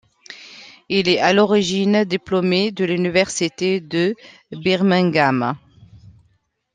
Il est à l'origine diplômé de l'université de Birmingham.